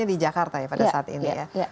di jakarta ya pada saat ini ya